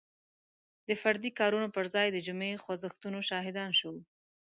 د فردي کارونو پر ځای د جمعي خوځښتونو شاهدان شو.